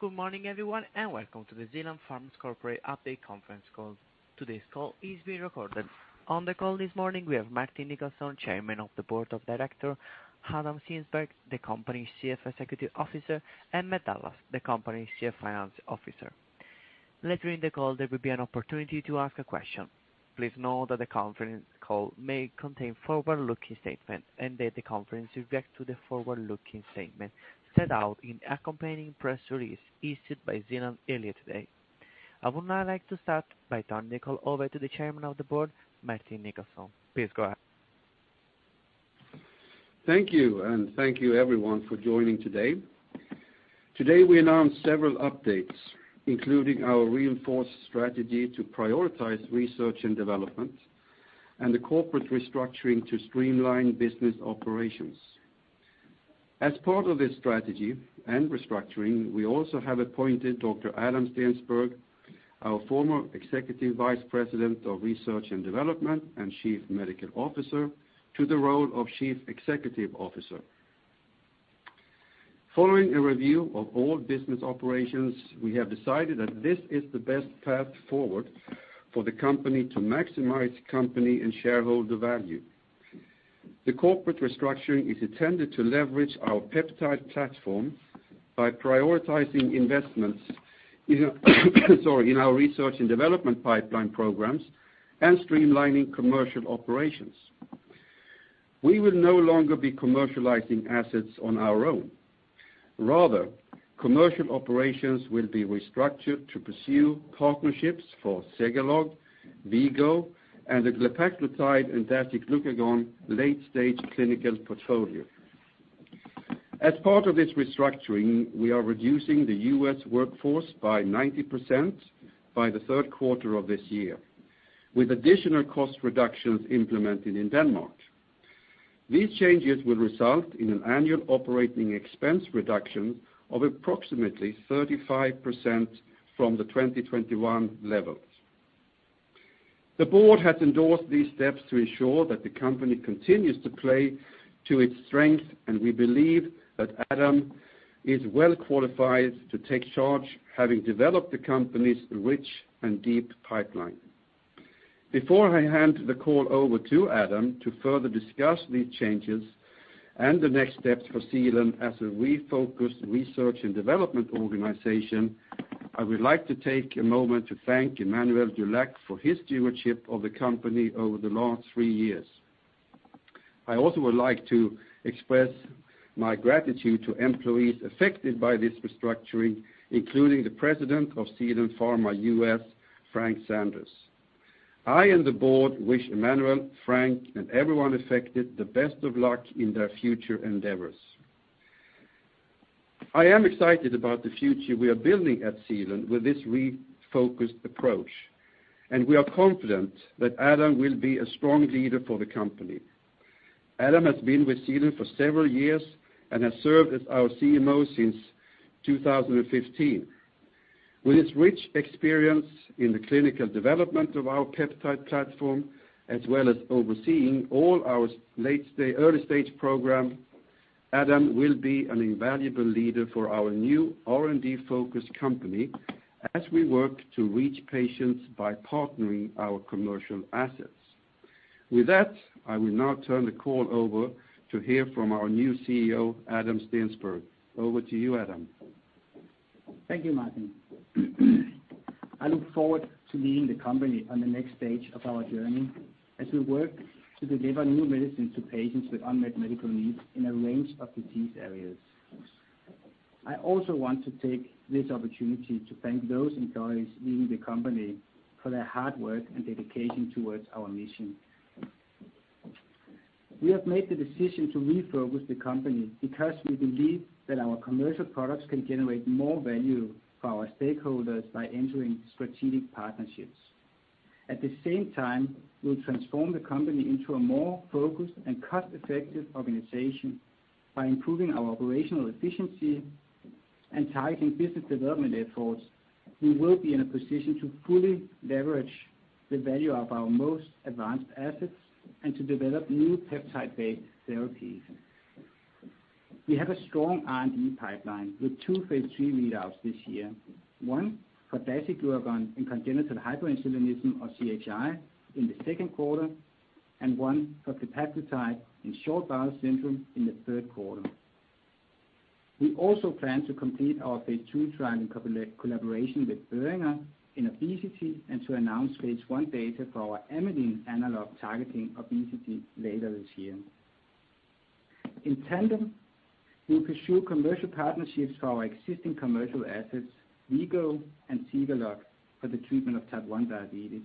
Good morning, everyone, and welcome to the Zealand Pharma's corporate update conference call. Today's call is being recorded. On the call this morning, we have Martin Nicklasson, Chairman of the Board of Directors, Adam Steensberg, the Company's Chief Executive Officer, and Matt Dallas, the Company's Chief Financial Officer. Later in the call, there will be an opportunity to ask a question. Please note that the conference call may contain forward-looking statements, and that the conference will react to the forward-looking statements set out in accompanying press releases issued by Zealand earlier today. I would now like to start by turning the call over to the Chairman of the Board, Martin Nicklasson. Please go ahead. Thank you, and thank you, everyone, for joining today. Today, we announced several updates, including our reinforced strategy to prioritize research and development and the corporate restructuring to streamline business operations. As part of this strategy and restructuring, we also have appointed Dr. Adam Steensberg, our former Executive Vice President of Research and Development and Chief Medical Officer, to the role of Chief Executive Officer. Following a review of all business operations, we have decided that this is the best path forward for the company to maximize company and shareholder value. The corporate restructuring is intended to leverage our peptide platform by prioritizing investments in our research and development pipeline programs and streamlining commercial operations. We will no longer be commercializing assets on our own. Rather, commercial operations will be restructured to pursue partnerships for Zegalogue, V-Go, and the glepaglutide and dasiglucagon late-stage clinical portfolio. As part of this restructuring, we are reducing the U.S. workforce by 90% by the third quarter of this year, with additional cost reductions implemented in Denmark. These changes will result in an annual operating expense reduction of approximately 35% from the 2021 levels. The Board has endorsed these steps to ensure that the company continues to play to its strengths, and we believe that Adam is well qualified to take charge, having developed the company's rich and deep pipeline. Before I hand the call over to Adam to further discuss these changes and the next steps for Zealand as a refocused research and development organization, I would like to take a moment to thank Emmanuel Dulac for his stewardship of the company over the last three years. I also would like to express my gratitude to employees affected by this restructuring, including the President of Zealand Pharma U.S., Frank Sanders. I and the Board wish Emmanuel, Frank, and everyone affected the best of luck in their future endeavors. I am excited about the future we are building at Zealand with this refocused approach, and we are confident that Adam will be a strong leader for the company. Adam has been with Zealand for several years and has served as our CMO since 2015. With his rich experience in the clinical development of our peptide platform, as well as overseeing all our early-stage programs, Adam will be an invaluable leader for our new R&D-focused company as we work to reach patients by partnering our commercial assets. With that, I will now turn the call over to hear from our new CEO, Adam Steensberg. Over to you, Adam. Thank you, Martin. I look forward to leading the company on the next stage of our journey as we work to deliver new medicines to patients with unmet medical needs in a range of disease areas. I also want to take this opportunity to thank those employees leading the company for their hard work and dedication towards our mission. We have made the decision to refocus the company because we believe that our commercial products can generate more value for our stakeholders by entering strategic partnerships. At the same time, we will transform the company into a more focused and cost-effective organization by improving our operational efficiency and targeting business development efforts. We will be in a position to fully leverage the value of our most advanced assets and to develop new peptide-based therapies. We have a strong R&D pipeline with two phase III readouts this year: one for dasiglucagon and congenital hyperinsulinism, or CHI, in the second quarter, and one for glepaglutide and short bowel syndrome in the third quarter. We also plan to complete our phase II trial in collaboration with Boehringer Ingelheim in obesity and to announce phase I data for our amylin analog targeting obesity later this year. In tandem, we will pursue commercial partnerships for our existing commercial assets, V-Go and Zegalogue, for the treatment of type 1 diabetes.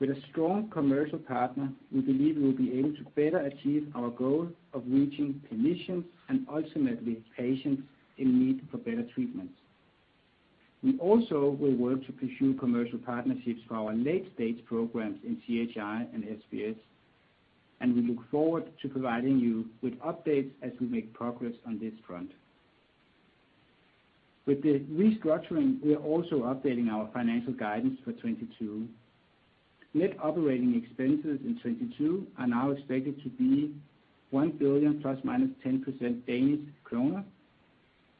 With a strong commercial partner, we believe we will be able to better achieve our goal of reaching clinicians and ultimately patients in need for better treatments. We also will work to pursue commercial partnerships for our late-stage programs in CHI and SBS, and we look forward to providing you with updates as we make progress on this front. With the restructuring, we are also updating our financial guidance for 2022. Net operating expenses in 2022 are now expected to be 1 billion ±10%.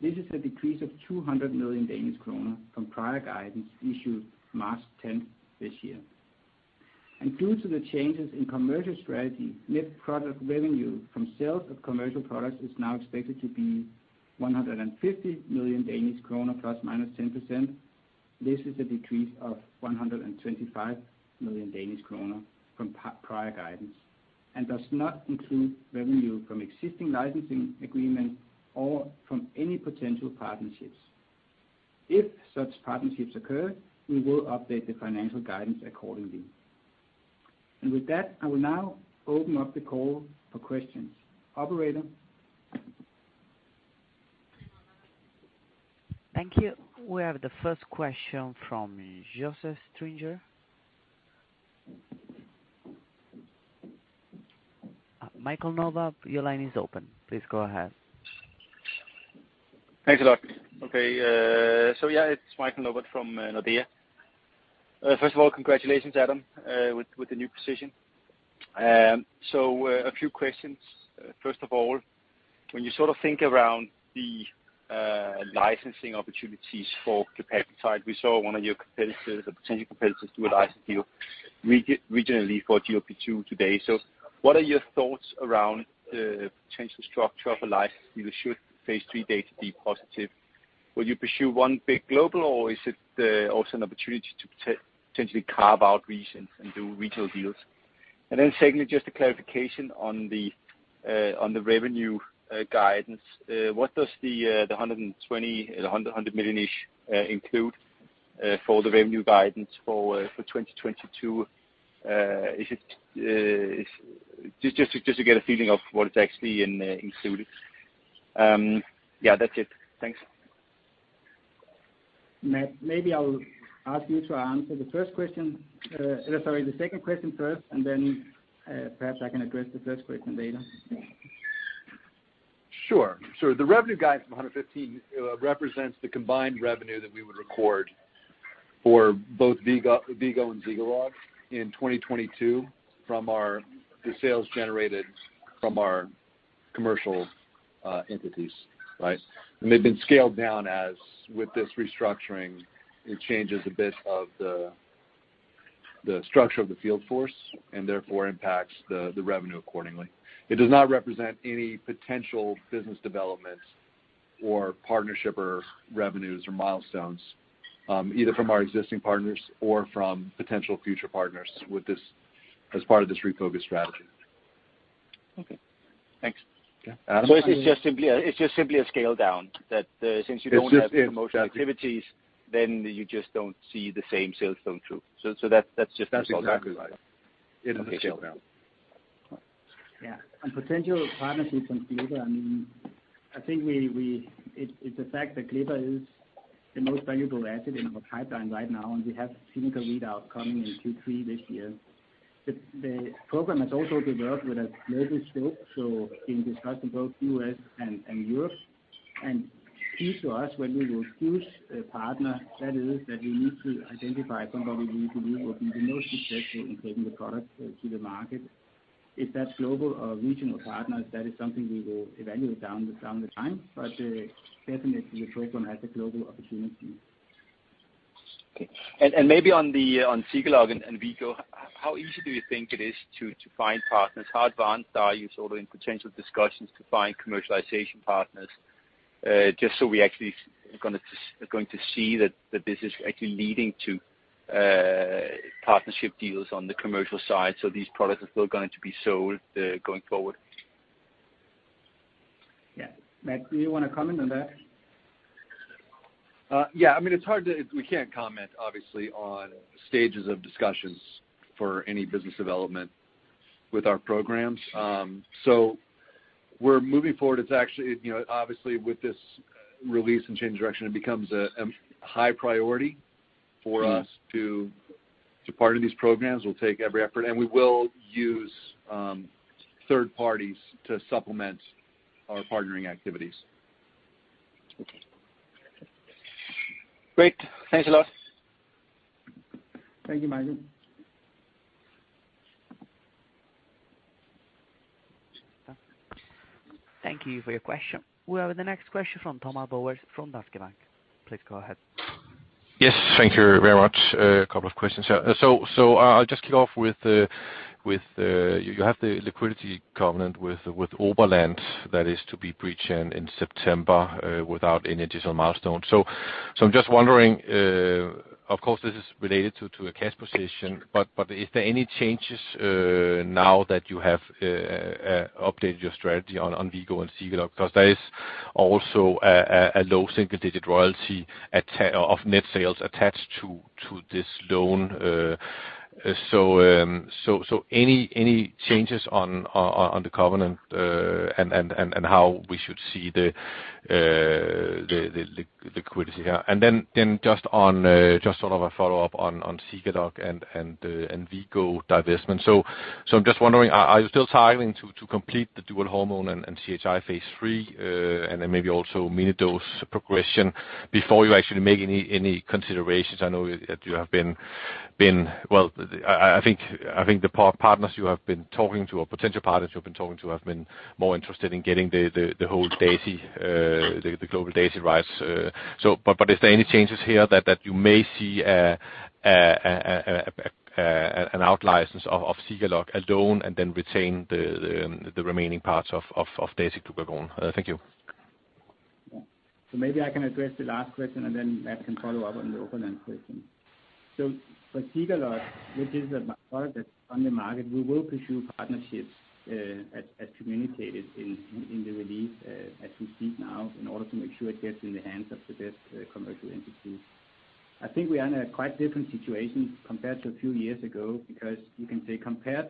This is a decrease of 200 million Danish kroner from prior guidance issued March 10th this year. And due to the changes in commercial strategy, net product revenue from sales of commercial products is now expected to be 150 million Danish kroner ±10%. This is a decrease of 125 million Danish kroner from prior guidance and does not include revenue from existing licensing agreements or from any potential partnerships. If such partnerships occur, we will update the financial guidance accordingly. And with that, I will now open up the call for questions. Operator. Thank you. We have the first question from Joseph Stringer. Michael Novod, your line is open. Please go ahead. Thanks a lot. Okay. So yeah, it's Michael Novod from Nordea. First of all, congratulations, Adam, with the new position. So a few questions. First of all, when you sort of think around the licensing opportunities for glepaglutide, we saw one of your competitors, a potential competitor, do a license deal regionally for GLP-2 today. So what are your thoughts around the potential structure of a license deal should phase III data be positive? Will you pursue one big global, or is it also an opportunity to potentially carve out regions and do regional deals? And then secondly, just a clarification on the revenue guidance. What does the 100 million-ish include for the revenue guidance for 2022? Just to get a feeling of what is actually included. Yeah, that's it. Thanks. Matt, maybe I'll ask you to answer the first question. Sorry, the second question first, and then perhaps I can address the first question, David. Sure. So the revenue guidance for 2025 represents the combined revenue that we would record for both V-Go and Zegalogue in 2022 from our sales generated from our commercial entities, right? And they've been scaled down as, with this restructuring, it changes a bit of the structure of the field force and therefore impacts the revenue accordingly. It does not represent any potential business developments or partnership or revenues or milestones, either from our existing partners or from potential future partners as part of this refocused strategy. Okay. Thanks. Yeah. Adam? So it's just simply a scale down that since you don't have commercial activities, then you just don't see the same sales flow through. So that's just a small downside. That's exactly right. It is a scale down. Yeah. And potential partnerships on glepaglutide, I mean, I think it's a fact that glepaglutide is the most valuable asset in our pipeline right now, and we have clinical readouts coming in Q3 this year. The program has also developed with a global scope, so being discussed in both the U.S. and Europe. And key to us, when we will choose a partner, that is that we need to identify somebody we believe will be the most successful in taking the product to the market. If that's global or regional partners, that is something we will evaluate down the line, but definitely the program has a global opportunity. Okay. And maybe on Zegalogue and V-Go, how easy do you think it is to find partners? How advanced are you sort of in potential discussions to find commercialization partners? Just so we're actually going to see that this is actually leading to partnership deals on the commercial side, so these products are still going to be sold going forward. Yeah. Matt, do you want to comment on that? Yeah. I mean, it's hard to, we can't comment, obviously, on stages of discussions for any business development with our programs. So we're moving forward. It's actually, obviously, with this release and change of direction, it becomes a high priority for us to partner these programs. We'll take every effort, and we will use third parties to supplement our partnering activities. Okay. Great. Thanks a lot. Thank you, Michael. Thank you for your question. We have the next question from Thomas Bowers from Danske Bank. Please go ahead. Yes. Thank you very much. A couple of questions. So I'll just kick off with—you have the liquidity covenant with Oberland that is to be breached in September without any additional milestones. So I'm just wondering, of course, this is related to a cash position, but is there any changes now that you have updated your strategy on V-Go and Zegalogue? Because there is also a low single-digit royalty of net sales attached to this loan. So any changes on the covenant and how we should see the liquidity? And then just sort of a follow-up on Zegalogue and V-Go divestment. So I'm just wondering, are you still targeting to complete the dual hormone and CHI phase III, and then maybe also mini-dose progression before you actually make any considerations? I know that you have been, well, I think the partners you have been talking to, or potential partners you have been talking to, have been more interested in getting the whole global dasiglucagon rights. But is there any changes here that you may see an out-license of Zegalogue alone and then retain the remaining parts of dasiglucagon? Thank you. Yeah. So, maybe I can address the last question, and then Matt can follow up on the Oberland question. So, for Zegalogue, which is a product that's on the market, we will pursue partnerships as communicated in the release as we speak now in order to make sure it gets in the hands of the best commercial entities. I think we are in a quite different situation compared to a few years ago because you can say compared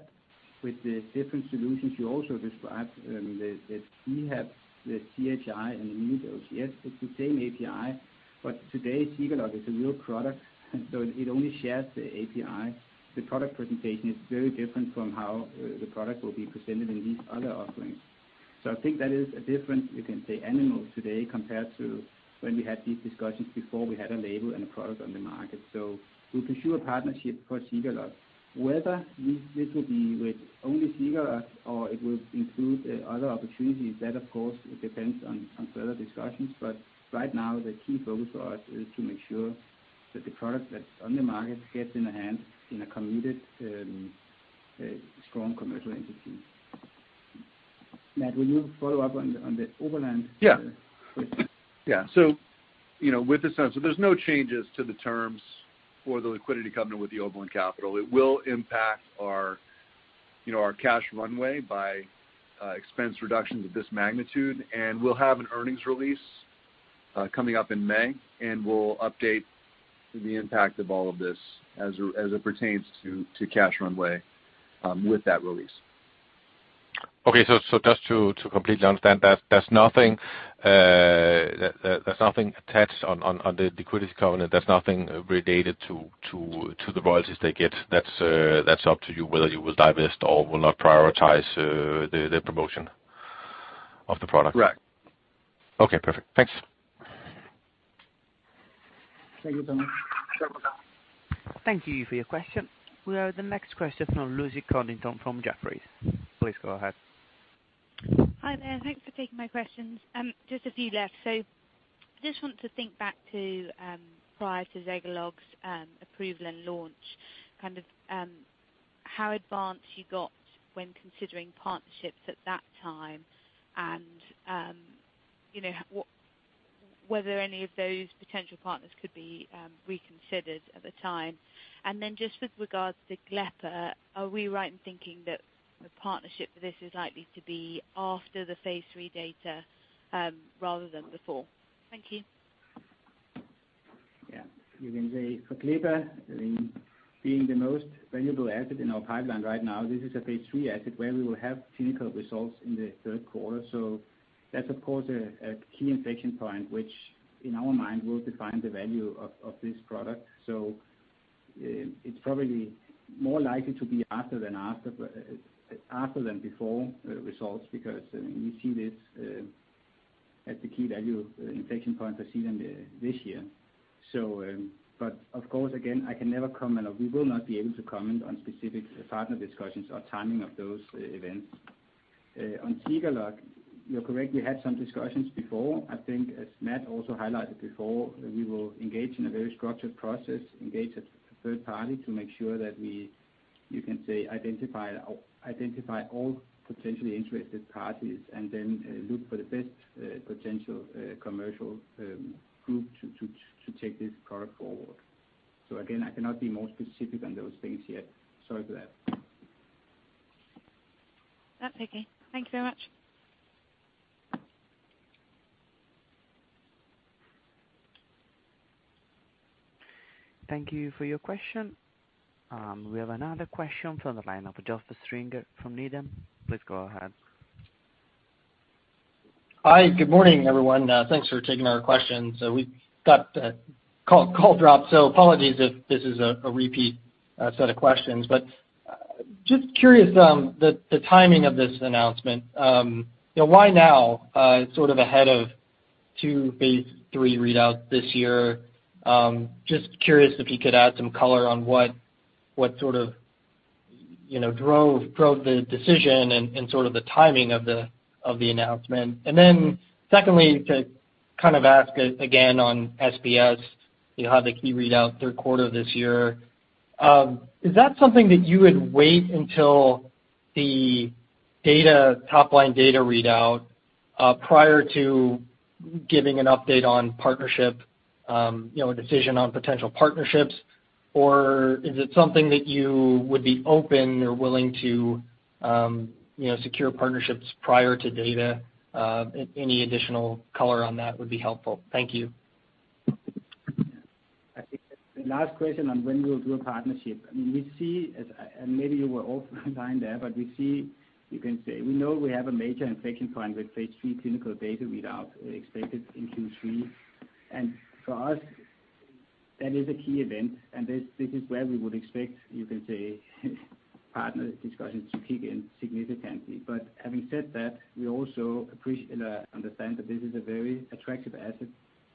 with the different solutions you also described, that we have the CHI and the mini-dose. Yes, it's the same API, but today Zegalogue is a real product, so it only shares the API. The product presentation is very different from how the product will be presented in these other offerings. I think that is a difference, you can say, a normal today compared to when we had these discussions before we had a label and a product on the market. We'll pursue a partnership for Zegalogue. Whether this will be with only Zegalogue or it will include other opportunities, that, of course, depends on further discussions. But right now, the key focus for us is to make sure that the product that's on the market gets into the hands of a committed, strong commercial entity. Matt, will you follow up on the Oberland? Yeah. So with this, there are no changes to the terms for the liquidity covenant with Oberland Capital. It will impact our cash runway by expense reductions of this magnitude, and we'll have an earnings release coming up in May, and we'll update the impact of all of this as it pertains to cash runway with that release. Okay. So just to completely understand, there's nothing attached on the liquidity covenant. There's nothing related to the royalties they get. That's up to you whether you will divest or will not prioritize the promotion of the product. Right. Okay. Perfect. Thanks. Thank you so much. Thank you for your question. We have the next question from Lucy Codrington from Jefferies. Please go ahead. Hi there. Thanks for taking my questions. Just a few left. So I just want to think back to prior to Zegalogue's approval and launch, kind of how advanced you got when considering partnerships at that time and whether any of those potential partners could be reconsidered at the time. And then just with regards to glepaglutide, are we right in thinking that the partnership for this is likely to be after the phase III data rather than before? Thank you. Yeah. We've been saying for glepaglutide, being the most valuable asset in our pipeline right now, this is a phase III asset where we will have clinical results in the third quarter. So that's, of course, a key inflection point, which in our mind will define the value of this product. So it's probably more likely to be after than before results because we see this as the key value inflection point for Zealand this year. But of course, again, I can never comment or we will not be able to comment on specific partner discussions or timing of those events. On Zegalogue, you're correct. We had some discussions before. I think, as Matt also highlighted before, we will engage in a very structured process, engage a third party to make sure that we, you can say, identify all potentially interested parties and then look for the best potential commercial group to take this product forward. So again, I cannot be more specific on those things yet. Sorry for that. That's okay. Thank you very much. Thank you for your question. We have another question from the lineup. Joseph Stringer from Needham. Please go ahead. Hi. Good morning, everyone. Thanks for taking our questions. We've got a call dropped, so apologies if this is a repeat set of questions. But just curious the timing of this announcement. Why now, sort of ahead of two phase III readouts this year? Just curious if you could add some color on what sort of drove the decision and sort of the timing of the announcement. And then secondly, to kind of ask again on SBS, you had the key readout third quarter of this year. Is that something that you would wait until the top-line data readout prior to giving an update on a decision on potential partnerships, or is it something that you would be open or willing to secure partnerships prior to data? Any additional color on that would be helpful. Thank you. The last question on when we will do a partnership. I mean, we see, and maybe you were offline there, but we see, you can say, we know we have a major inflection point with phase III clinical data readouts expected in Q3, and for us, that is a key event, and this is where we would expect, you can say, partner discussions to kick in significantly, but having said that, we also understand that this is a very attractive asset.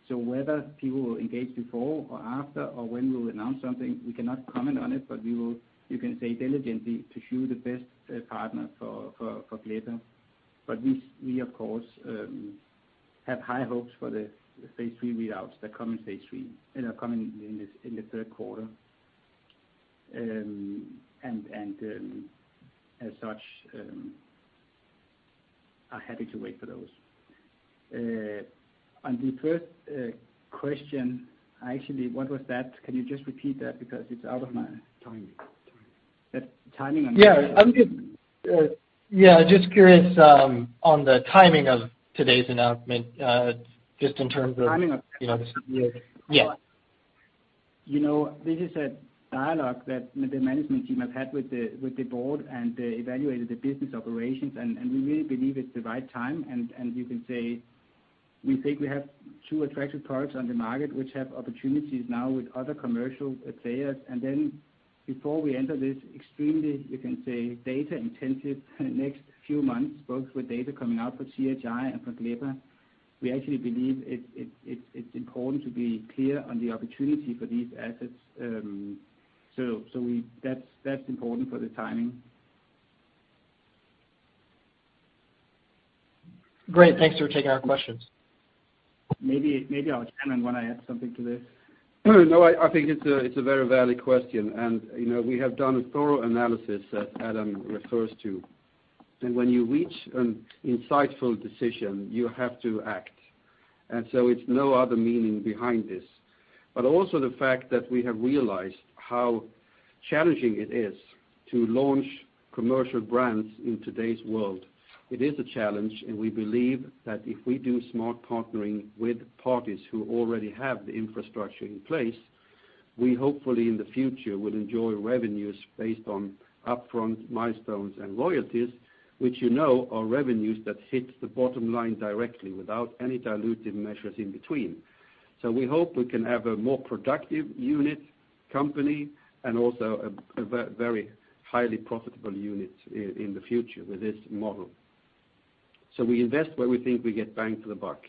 So whether people will engage before or after or when we will announce something, we cannot comment on it, but we will, you can say, diligently pursue the best partner for glepaglutide, but we, of course, have high hopes for the phase III readouts that come in the third quarter, and as such, are happy to wait for those. On the first question, actually, what was that? Can you just repeat that because it's out of my timing? Yeah. I'm just curious on the timing of today's announcement, just in terms of. Timing of. Yeah. This is a dialogue that the management team have had with the board and evaluated the business operations, and we really believe it's the right time. And you can say, we think we have two attractive products on the market which have opportunities now with other commercial players. And then before we enter this extremely, you can say, data-intensive next few months, both with data coming out for CHI and for glepaglutide, we actually believe it's important to be clear on the opportunity for these assets. So that's important for the timing. Great. Thanks for taking our questions. Maybe our Chairman want to add something to this. No, I think it's a very valid question, and we have done a thorough analysis that Adam refers to, and when you reach an insightful decision, you have to act, and so it's no other meaning behind this, but also the fact that we have realized how challenging it is to launch commercial brands in today's world. It is a challenge, and we believe that if we do smart partnering with parties who already have the infrastructure in place, we hopefully in the future will enjoy revenues based on upfront milestones and royalties, which are revenues that hit the bottom line directly without any dilutive measures in between, so we hope we can have a more productive unit, company, and also a very highly profitable unit in the future with this model, so we invest where we think we get bang for the buck.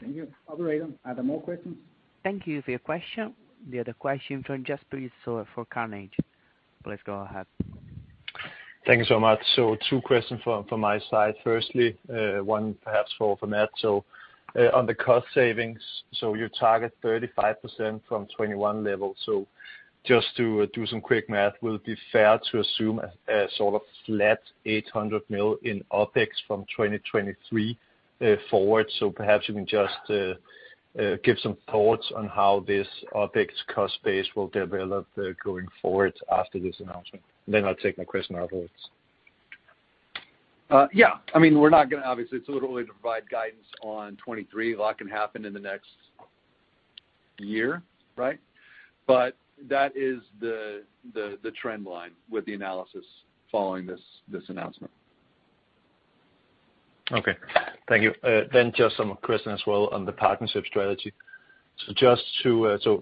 Thank you. Operator? Adam? More questions? Thank you for your question. The other question from Jesper from Carnegie. Please go ahead. Thank you so much. So two questions from my side. Firstly, one perhaps for Matt, so on the cost savings, so you target 35% from 2021 level. So just to do some quick math, will it be fair to assume a sort of flat 800 million in OpEx from 2023 forward? So perhaps you can just give some thoughts on how this OpEx cost base will develop going forward after this announcement. Then I'll take my question afterwards. Yeah. I mean, we're not going to obviously, it's literally to provide guidance on 2023. A lot can happen in the next year, right? But that is the trend line with the analysis following this announcement. Okay. Thank you. Then just some questions as well on the partnership strategy. So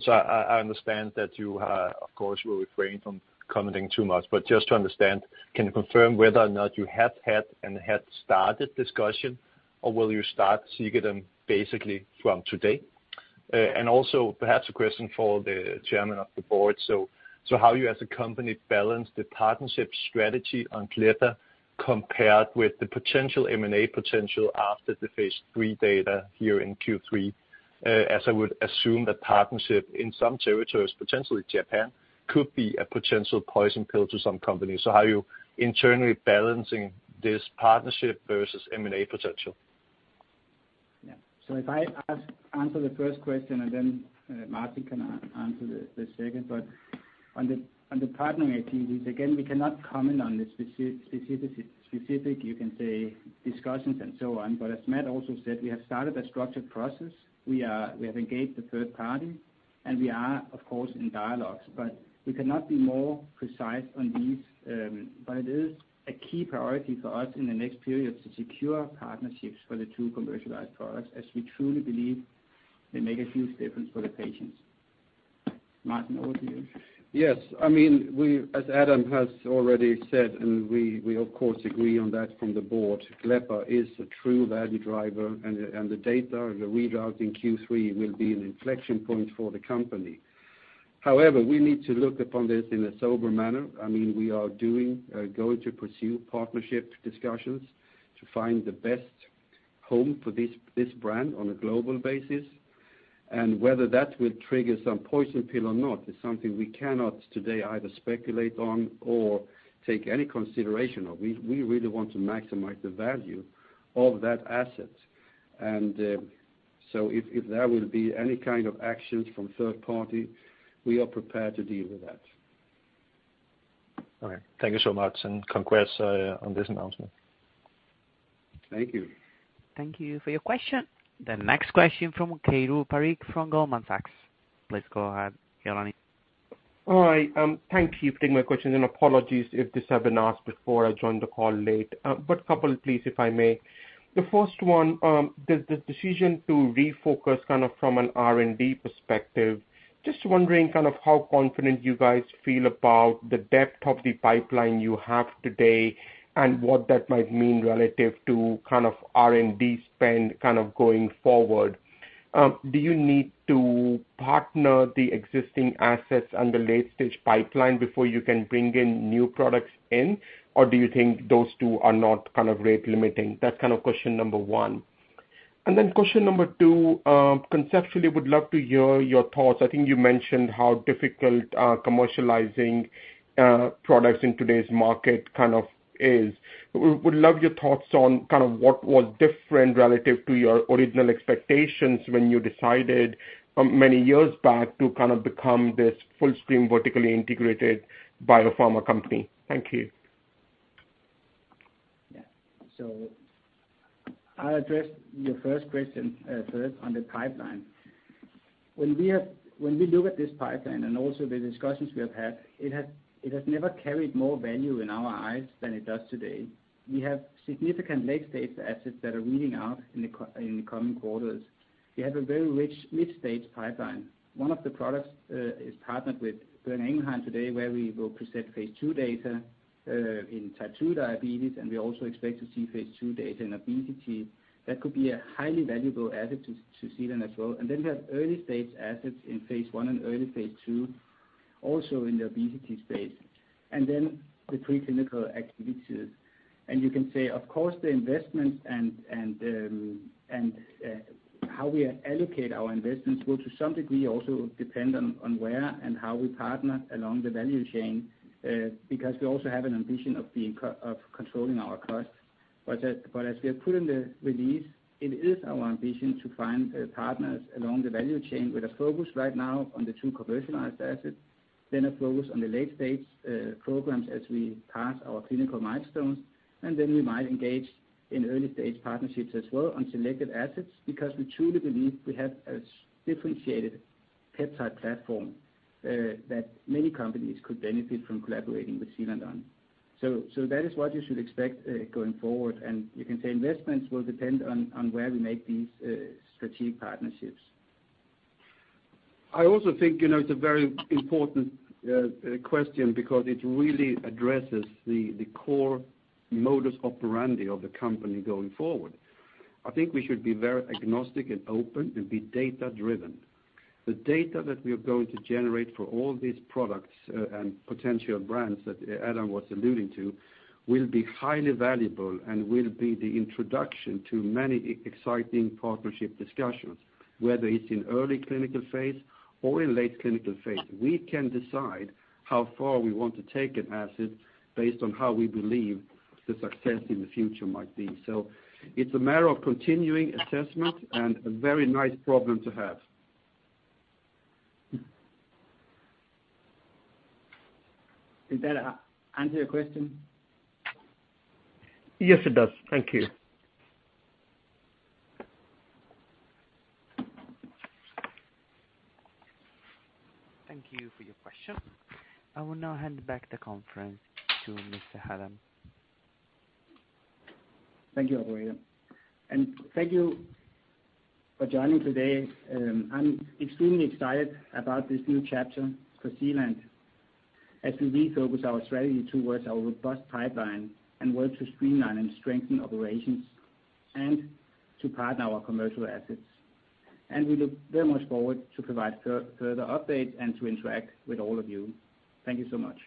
I understand that you, of course, will refrain from commenting too much, but just to understand, can you confirm whether or not you have had and had started discussion, or will you start seeking them basically from today? And also perhaps a question for the chairman of the board. So how you as a company balance the partnership strategy on glepaglutide compared with the potential M&A potential after the phase III data here in Q3, as I would assume that partnership in some territories, potentially Japan, could be a potential poison pill to some companies. So how are you internally balancing this partnership versus M&A potential? Yeah. So if I answer the first question, and then Martin can answer the second. But on the partnering activities, again, we cannot comment on the specific, you can say, discussions and so on. But as Matt also said, we have started a structured process. We have engaged the third party, and we are, of course, in dialogues. But we cannot be more precise on these. But it is a key priority for us in the next period to secure partnerships for the two commercialized products as we truly believe they make a huge difference for the patients. Martin, over to you. Yes. I mean, as Adam has already said, and we, of course, agree on that from the board, glepaglutide is a true value driver, and the data and the readout in Q3 will be an inflection point for the company. However, we need to look upon this in a sober manner. I mean, we are going to pursue partnership discussions to find the best home for this brand on a global basis. And whether that will trigger some poison pill or not is something we cannot today either speculate on or take any consideration of. We really want to maximize the value of that asset. And so if there will be any kind of actions from third party, we are prepared to deal with that. All right. Thank you so much. And congrats on this announcement. Thank you. Thank you for your question. The next question from Keyur Parekh from Goldman Sachs. Please go ahead, Keyur. Hi. Thank you for taking my question. And apologies if this has been asked before I joined the call late. But a couple, please, if I may. The first one, the decision to refocus kind of from an R&D perspective, just wondering kind of how confident you guys feel about the depth of the pipeline you have today and what that might mean relative to kind of R&D spend kind of going forward. Do you need to partner the existing assets under late-stage pipeline before you can bring in new products in, or do you think those two are not kind of rate-limiting? That's kind of question number one. And then question number two, conceptually, would love to hear your thoughts. I think you mentioned how difficult commercializing products in today's market kind of is. Would love your thoughts on kind of what was different relative to your original expectations when you decided many years back to kind of become this fully vertically integrated biopharma company? Thank you. Yeah. So I'll address your first question first on the pipeline. When we look at this pipeline and also the discussions we have had, it has never carried more value in our eyes than it does today. We have significant late-stage assets that are reading out in the coming quarters. We have a very rich mid-stage pipeline. One of the products is partnered with Boehringer Ingelheim today, where we will present phase II data in type 2 diabetes, and we also expect to see phase II data in obesity. That could be a highly valuable asset to Zealand as well. And then we have early-stage assets in phase I and early phase II, also in the obesity space. And then the preclinical activities. You can say, of course, the investments and how we allocate our investments will to some degree also depend on where and how we partner along the value chain because we also have an ambition of controlling our costs. But as we have put in the release, it is our ambition to find partners along the value chain with a focus right now on the two commercialized assets, then a focus on the late-stage programs as we pass our clinical milestones. And then we might engage in early-stage partnerships as well on selected assets because we truly believe we have a differentiated peptide platform that many companies could benefit from collaborating with Zealand and on. So that is what you should expect going forward. And you can say investments will depend on where we make these strategic partnerships. I also think it's a very important question because it really addresses the core modus operandi of the company going forward. I think we should be very agnostic and open and be data-driven. The data that we are going to generate for all these products and potential brands that Adam was alluding to will be highly valuable and will be the introduction to many exciting partnership discussions, whether it's in early clinical phase or in late clinical phase. We can decide how far we want to take an asset based on how we believe the success in the future might be. So it's a matter of continuing assessment and a very nice problem to have. Did that answer your question? Yes, it does. Thank you. Thank you for your question. I will now hand back the conference to Mr. Adam. Thank you, everyone, and thank you for joining today. I'm extremely excited about this new chapter for Zealand and as we refocus our strategy towards our robust pipeline and work to streamline and strengthen operations and to partner our commercial assets, and we look very much forward to provide further updates and to interact with all of you. Thank you so much.